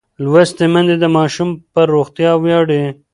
لوستې میندې د ماشوم پر روغتیا ویاړي.